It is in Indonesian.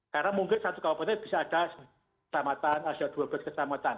karena mungkin satu kabupaten bisa ada kesahmatan asia dua buah kesahmatan